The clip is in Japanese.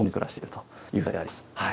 という存在であります。